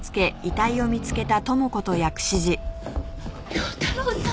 遼太郎さん。